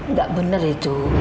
enggak bener itu